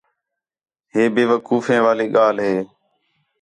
ہِے بے وقوفے والی ڳالھ ہِے